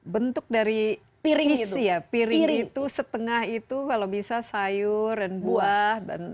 bentuk dari piring itu setengah itu kalau bisa sayur dan buah